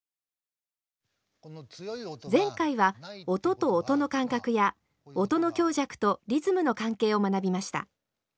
前回は音と音の間隔や音の強弱とリズムの関係を学びました。